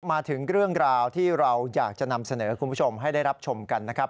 มาถึงเรื่องราวที่เราอยากจะนำเสนอคุณผู้ชมให้ได้รับชมกันนะครับ